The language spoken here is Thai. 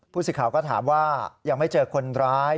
สิทธิ์ก็ถามว่ายังไม่เจอคนร้าย